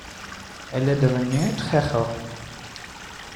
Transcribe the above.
Elle est devenue très rare.